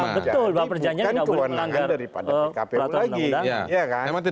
jadi bukan kewenangan daripada kpu lagi